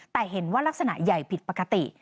แต่เห็นว่ารักษณะใหญ่ผิดปกติ